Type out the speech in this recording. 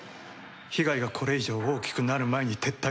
被害がこれ以上大きくなる前に撤退をするんだ。